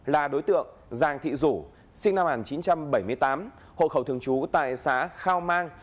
là đối tượng giàng thị rủ sinh năm một nghìn chín trăm bảy mươi tám hộ khẩu thường trú tại xã khao mang